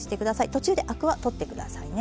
途中でアクは取って下さいね。